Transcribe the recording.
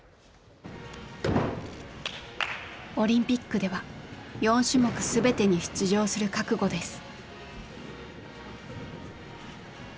オリンピックでは４種目全てに出場する覚悟です。